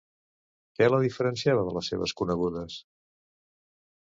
Què la diferenciava de les seves conegudes?